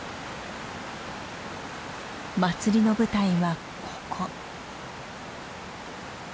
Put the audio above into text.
祭りの舞台はここ。